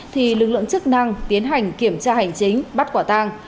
thì lực lượng chức năng tiến hành kiểm tra hành chính bắt quả tang